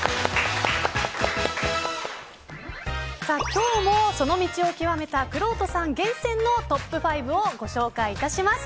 今日もその道を究めたくろうとさん厳選のトップ５をご紹介致します。